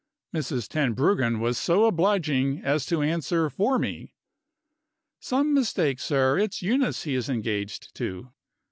Mrs. Tenbruggen was so obliging as to answer for me. "Some mistake, sir; it's Eunice he is engaged to."